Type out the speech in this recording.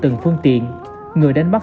tự từng phương tiện người đánh bắt